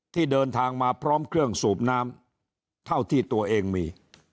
ที่เดินทางมาพร้อมเครื่องสูบน้ำเท่าที่ตัวเองมี